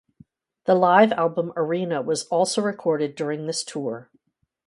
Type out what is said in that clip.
The live album "Arena" was also recorded during this tour.